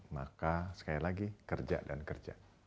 maka sekali lagi kerja dan kerja